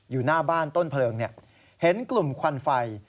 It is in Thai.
อยู่หน้าบ้านต้นเพลิงเห็นกลุ่มควันไฟ